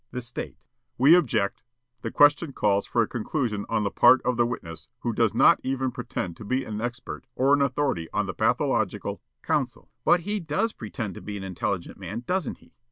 The State: "We object. The question calls for a conclusion on the part of the witness, who does not even pretend to be an expert or an authority on pathological " Counsel: "But he DOES pretend to be an intelligent man, doesn't he?